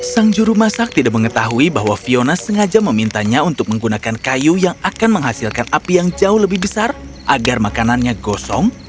sang juru masak tidak mengetahui bahwa fiona sengaja memintanya untuk menggunakan kayu yang akan menghasilkan api yang jauh lebih besar agar makanannya gosong